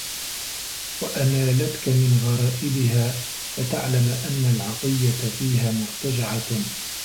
وَأَنَالَتْك مِنْ غَرَائِبِهَا فَتَعْلَمَ أَنَّ الْعَطِيَّةَ فِيهَا مُرْتَجَعَةٌ